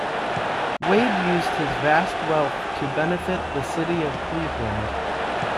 Wade used his vast wealth to benefit the city of Cleveland.